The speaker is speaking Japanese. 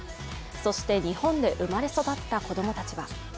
そして、日本で生まれ育った子供たちは。